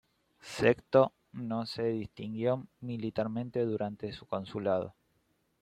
Sexto no se distinguió militarmente durante su consulado.